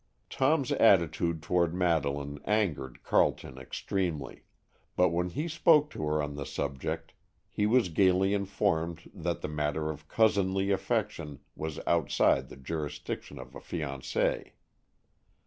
Tom's attitude toward Madeleine angered Carleton extremely, but when he spoke to her on the subject he was gaily informed that the matter of cousinly affection was outside the jurisdiction of a fiancée.